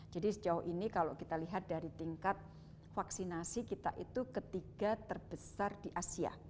jadi sejauh ini kalau kita lihat dari tingkat vaksinasi kita itu ketiga terbesar di asia